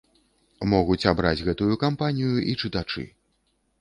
Могуць абраць гэтую кампанію і чытачы.